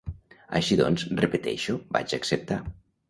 Així doncs, repeteixo, vaig acceptar.